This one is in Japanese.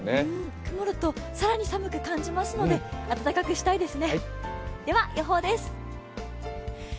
曇ると更に寒く感じますのであったかくしたいですね。